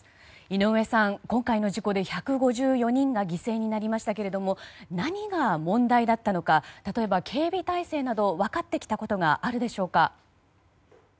井上さん、今回の事故で１５４人が犠牲になりましたが何が問題だったのか例えば、警備態勢など分かってきたことがあるでしょうか？